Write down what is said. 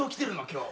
今日」